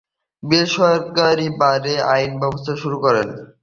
বেসরকারি বারে আইন ব্যবসা শুরু করেন।